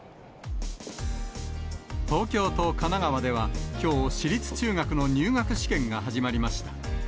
東京と神奈川では、きょう、私立中学の入学試験が始まりました。